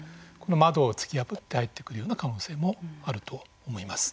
窓を突き破って入ってくる可能性もあると思います。